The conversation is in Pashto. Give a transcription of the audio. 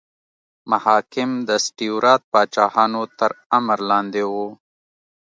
محاکم د سټیورات پاچاهانو تر امر لاندې وو.